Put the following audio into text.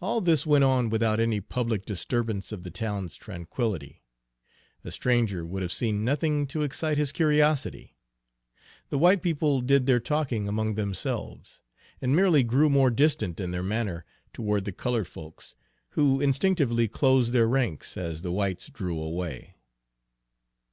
All this went on without any public disturbance of the town's tranquillity. A stranger would have seen nothing to excite his curiosity. The white people did their talking among themselves, and merely grew more distant in their manner toward the colored folks, who instinctively closed their ranks as the whites drew away.